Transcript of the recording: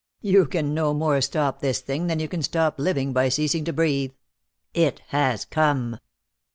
You can no more stop this thing than you can stop living by ceasing to breathe. It has come."